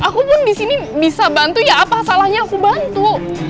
ya aku pun disini bisa bantu ya apa salahnya aku bantu